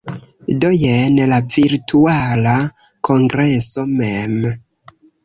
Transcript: Do jen la Virtuala Kongreso mem.